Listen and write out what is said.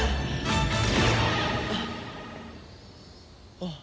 あっ